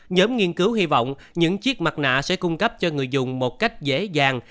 nhóm nghiên cứu hy vọng những chiếc mặt nạ sẽ cung cấp cho người dùng một cách dễ dàng